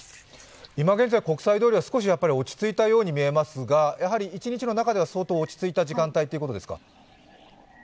今現在国際通りは少し落ち着いたように見えますがやはり一日の中では相当落ち着いた時間帯ということですか？